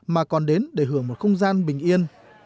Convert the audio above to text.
mà còn đến để hưởng một không gian bình yên